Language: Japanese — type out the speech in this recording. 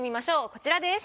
こちらです。